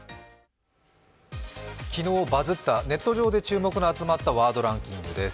昨日、バズったネット上で注目が集まったワードランキングです。